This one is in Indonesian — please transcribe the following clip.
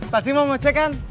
tadi mau mecek kan